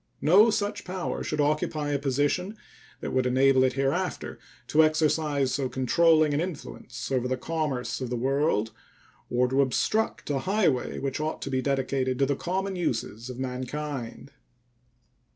No such power should occupy a position that would enable it hereafter to exercise so controlling an influence over the commerce of the world or to obstruct a highway which ought to be dedicated to the common uses of mankind.